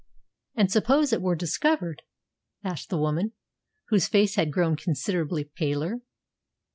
"And suppose it were discovered?" asked the woman, whose face had grown considerably paler.